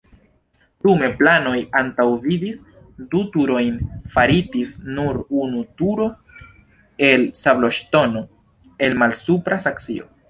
Dume planoj antaŭvidis du turojn faritis nur unu turo el sabloŝtono el Malsupra Saksio.